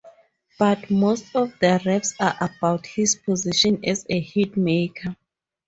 But most of the raps are about his position as a hit-maker.